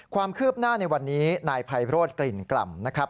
ความคืบหน้าในวันนี้นายไพโรธกลิ่นกล่ำนะครับ